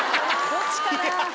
どっちかな？